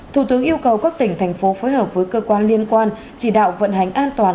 thủ tướng yêu cầu các tỉnh thành phố phối hợp với cơ quan liên quan chỉ đạo vận hành an toàn